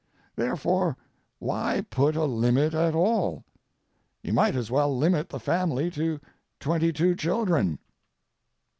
Therefore why put a limit at all? You might as well limit the family to twenty two children.